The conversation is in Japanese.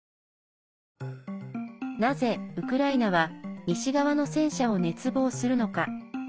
なぜ、ウクライナは西側の戦車を熱望するのか。